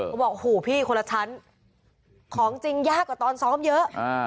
พอบอกหูพี่คนและฉันของจริงยากกว่าตอนซ้อมเยอะ